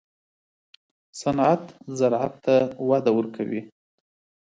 صنعت زراعت ته وده ورکوي